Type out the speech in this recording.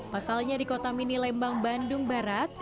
pasalnya di kota mini lembang bandung barat